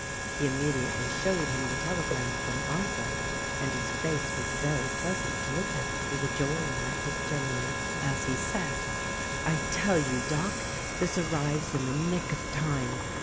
He immediately showed him the telegram from Arthur, and his face was very pleasant to look at, for the joy on it was genuine, as he said, "I tell you, Doc, this arrives in the nick of time.